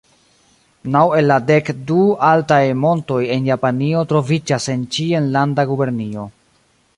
Naŭ el la dek du altaj montoj en Japanio troviĝas en ĉi enlanda gubernio.